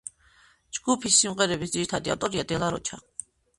ჯგუფის სიმღერების ძირითადი ავტორია დე ლა როჩა.